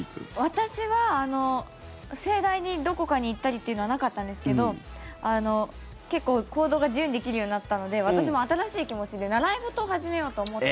私は盛大にどこかに行ったりっていうのはなかったんですけど結構、行動が自由にできるようになったので私も新しい気持ちで習い事を始めようと思って。